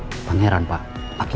ini memang ber eternity